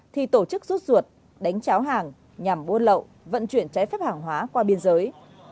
thì tổ chức rút ruột đánh cháo hàng nhằm buôn lậu vận chuyển trái phép hàng hóa qua biên giới